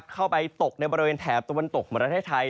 เข้าไปตกในบริเวณแถบตะวันตกของประเทศไทย